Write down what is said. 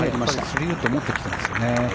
３ウッドを持ってきていますね。